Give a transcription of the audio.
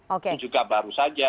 itu juga baru saja